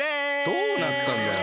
どうなったんだよ！